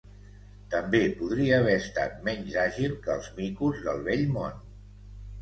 També podria haver estat menys àgil que els micos del Vell Món.